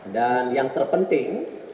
dan yang terpenting komite audit juga